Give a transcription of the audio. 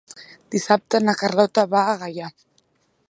Dissabte na Carlota va a Gaià.